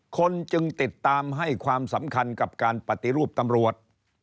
คนจึงติดตามให้ความสำคัญกับการปฏิรูปตำรวจ